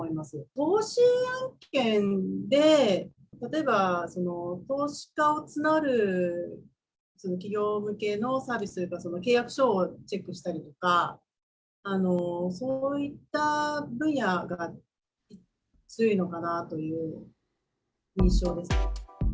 投資案件で例えば投資家を募る企業向けのサービスというか、契約書をチェックしたりとか、そういった分野が強いのかなという印象です。